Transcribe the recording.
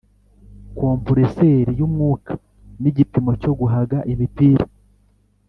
Kompureseri y’umwuka n’igipimo cyo guhaga imipira